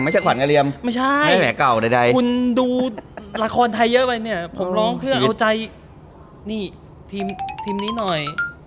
ไม่ใช่คุณดูละครไทยเยอะไปเนี่ยผมร้องเพื่อเอาใจนี่ทีมนี้หน่อย